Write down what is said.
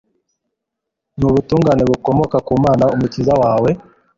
n’ubutungane bukomoka ku Mana umukiza we